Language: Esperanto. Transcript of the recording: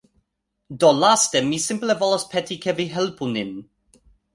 Do, laste mi simple volas peti ke vi helpu nin.